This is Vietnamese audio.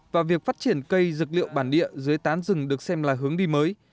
và việc phát triển cây dược liệu bản địa dưới tán rừng được xem là hướng đi mới